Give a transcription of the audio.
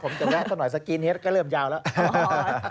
ผมจะแวะสักหน่อยสกรีนเฮ็ดก็เริ่มยาวแล้ว